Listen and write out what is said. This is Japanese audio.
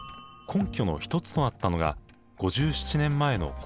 根拠の一つとなったのが５７年前の洪水です。